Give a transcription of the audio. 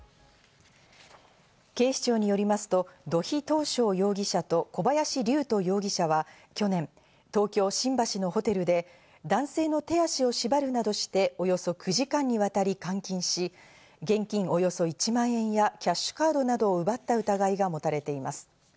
警視庁によりますと、土肥斗晶容疑者と小林龍斗容疑者は去年、東京・新橋のホテルで男性の手足を縛るなどして、およそ９時間にわたり監禁し、現金およそ１万円やキャッシュカードなどを奪った疑いが持たれています。